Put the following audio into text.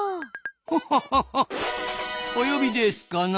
ホッホッホッホお呼びですかな。